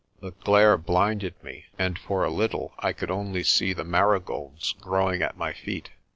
The glare blinded me, and for a little I could only see the marigolds growing at my feet.